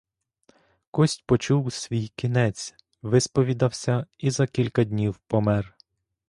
Кость почув свій кінець, висповідався і за кілька днів помер.